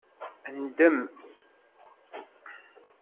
Ndem